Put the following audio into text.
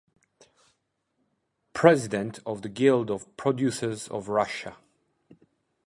President of the Guild of Producers of Russia.